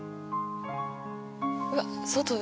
うわっ外で？